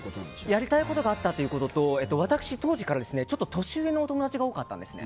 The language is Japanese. やりたいことがあったということと私当時からちょっと年上のお友達が多かったんです。